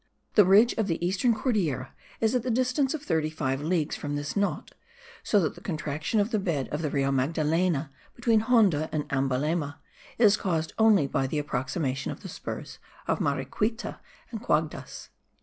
The ridge of the eastern Cordillera is at the distance of thirty five leagues from this knot, so that the contraction of the bed of the Rio Magdalena, between Honda and Ambalema, is caused only by the approximation of the spurs of Mariquita and Guaduas.